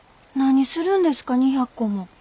何するんですか２００個も。